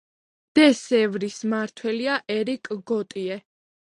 დე-სევრის მმართველია ერიკ გოტიე.